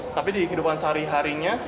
tapi di kehidupan sehari harinya